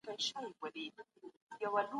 که دولت کمزوری وي نو پرېکړې نه پلي کېږي.